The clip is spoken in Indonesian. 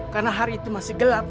karena hari itu masih gelap